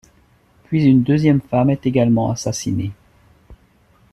Puis une deuxième femme est également assassinée.